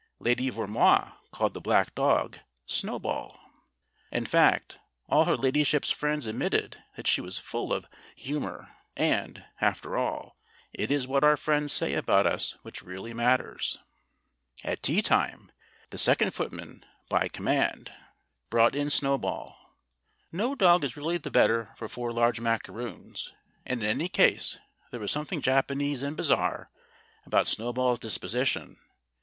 Lady Vermoise called the black dog "Snowball." In fact, all her ladyship's friends admitted that she was full of hu mor; and, after all, it is what our friends say about us which really matters. At tea time the second footman, by command, 132 STORIES WITHOUT TEARS brought in Snowball. No dog is really the better for four large macaroons, and in any case there was some thing Japanese and bizarre about Snowball's disposi tion.